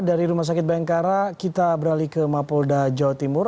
dari rumah sakit bayangkara kita beralih ke mapolda jawa timur